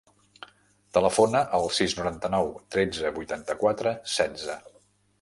Telefona al sis, noranta-nou, tretze, vuitanta-quatre, setze.